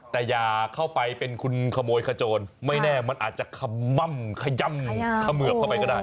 แต่อย่าเข้าไปเป็นคุณขโมยขโจรไม่แน่มันอาจจะขม่ำขย่ำเขมือบเข้าไปก็ได้